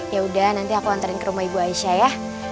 yaudah nanti aku anterin ke rumah ibu aisyah ya